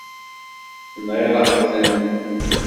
Tenɣiḍ-aɣ-ten.